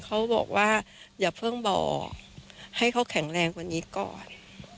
เขาบอกว่าอย่าเพิ่งบอกให้เขาแข็งแรงกว่านี้ก่อน